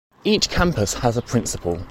Each campus has a Principal.